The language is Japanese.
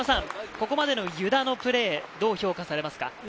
ここまでの湯田のプレー、どう評価されますか？